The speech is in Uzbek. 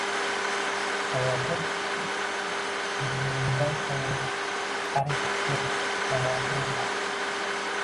Hayoti muzlimingdan soʻngra barid bir mamoting bor